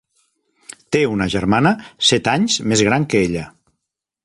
Té una germana, set anys més gran que ella.